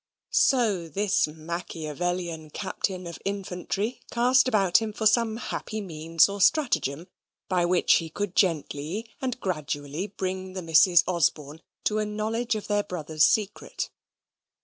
So this Machiavellian captain of infantry cast about him for some happy means or stratagem by which he could gently and gradually bring the Misses Osborne to a knowledge of their brother's secret.